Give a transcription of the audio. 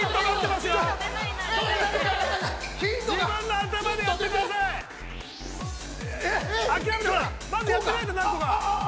◆まずやってみないと、何とか。